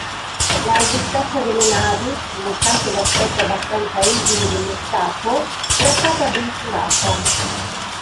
La robustezza delle navi, nonostante l'aspetto abbastanza esile dello scafo, era stata ben curata.